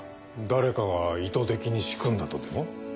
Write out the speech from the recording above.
誰かが意図的に仕組んだとでも？